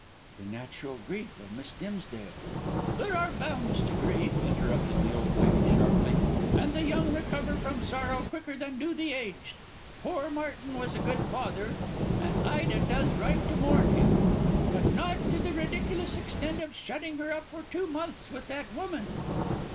"The natural grief of Miss Dimsdale " "There are bounds to grief," interrupted the old lady sharply, "and the young recover from sorrow quicker than do the aged. Poor Martin was a good father, and Ida does right to mourn him; but not to the ridiculous extent of shutting herself up for two months with that woman."